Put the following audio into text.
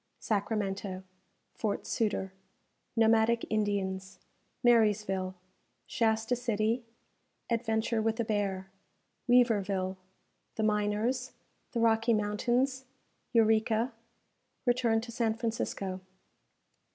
Sacramento Fort Sutter Nomadic Indians Marysville Shasta City Adventure with a Bear Weaverville The Miners The Rocky Mountains Eureka Return to San Francisco.